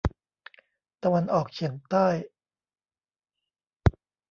ตะวันออกเฉียงใต้